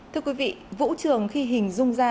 thưa quý vị vũ trường khi hình dung ra